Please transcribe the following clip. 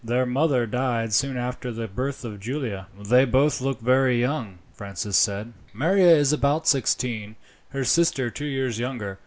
Their mother died soon after the birth of Giulia." "They both look very young," Francis said. "Maria is about sixteen, her sister two years younger.